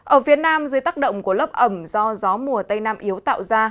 ở phía nam dưới tác động của lớp ẩm do gió mùa tây nam yếu tạo ra